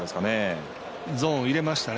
ゾーン入れましたね。